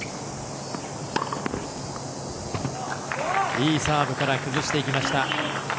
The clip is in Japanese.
いいサーブから崩していきました。